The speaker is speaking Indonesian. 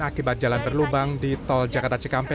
akibat jalan berlubang di tol jakarta cikampek